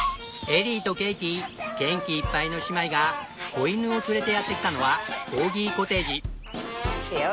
エリーとケイティ元気いっぱいの姉妹が子犬を連れてやってきたのはコーギコテージ。